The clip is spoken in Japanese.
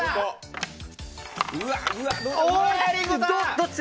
どっちだ？